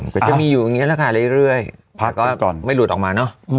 ใช่ก็จะมีอยู่อย่างนี้แหละค่ะเรื่อยแต่ก็ไม่หลุดออกมาเนาะ